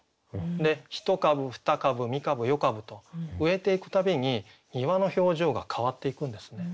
で一株二株三株四株と植えていく度に庭の表情が変わっていくんですね。